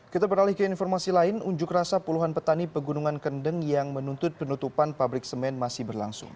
kita beralih ke informasi lain unjuk rasa puluhan petani pegunungan kendeng yang menuntut penutupan pabrik semen masih berlangsung